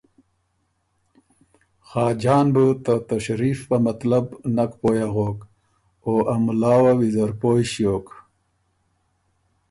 خاجان بُو ته تشریف په مطلب نک پویٛ اغوک او ا مُلا وه ویزر پویٛ ݭیوک